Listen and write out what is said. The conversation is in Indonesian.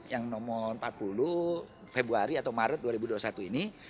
yang nomor empat puluh februari atau maret dua ribu dua puluh satu ini